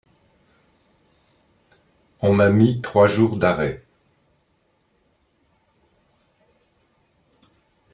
On m’a mis trois jours d’arrêt.